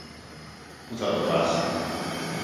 Πού θα το πας;